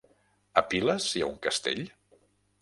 A Piles hi ha un castell?